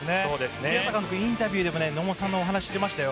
ピアザ監督はインタビューでも野茂さんの話をしていましたよ。